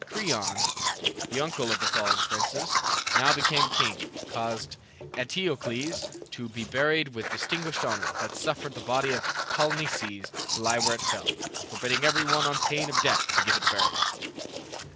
Creon, the uncle of the fallen princes, now become king, caused Eteocles to be buried with distinguished honor, but suffered the body of Polynices to lie where it fell, forbidding every one on pain of death to give it burial.